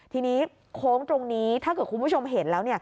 ทีนี้โค้งตรงนี้ถ้าเกิดคุณผู้ชมเห็นแล้ว